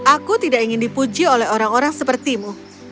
aku tidak ingin dipuji oleh orang orang sepertimu